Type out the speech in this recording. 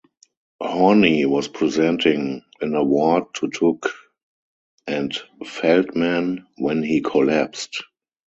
Horne was presenting an award to Took and Feldman when he collapsed.